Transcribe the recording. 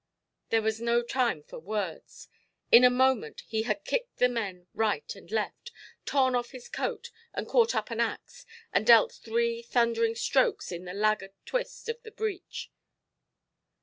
There was no time for words—in a moment he had kicked the men right and left, torn off his coat, and caught up an axe, and dealt three thundering strokes in the laggard twist of the breach.